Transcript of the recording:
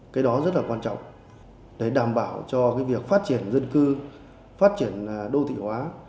cái đó rất là quan trọng để đảm bảo cho việc phát triển dân cư phát triển đô thị hóa